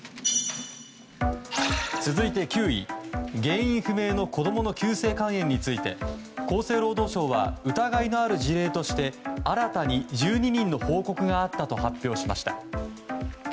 続いて９位、原因不明の子供の急性肝炎について厚生労働省は疑いのある事例として新たに１２人の報告があったと発表しました。